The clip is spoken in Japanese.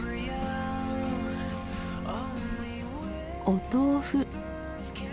お豆腐。